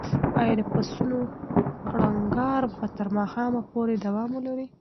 ایا د پسونو کړنګار به تر ماښامه پورې دوام ولري؟